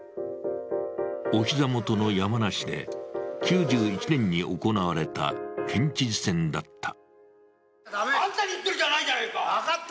お膝元の山梨で、９１年に行われた県知事選だった。